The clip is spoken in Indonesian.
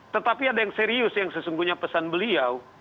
tetapi ada yang serius yang sesungguhnya pesan beliau